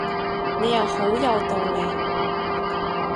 你又好有道理